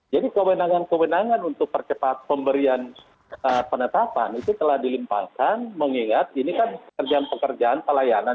jadi kewenangan kewenangan untuk percepat pemberian penetapan itu telah dilimpaskan mengingat ini kan kerjaan pekerjaan pelayanan